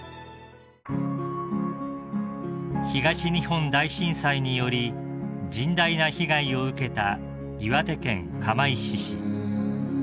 ［東日本大震災により甚大な被害を受けた岩手県釜石市］